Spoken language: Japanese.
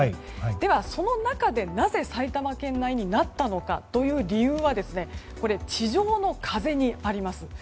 ではその中でなぜ埼玉県内になったのかという理由は地上の風にあります。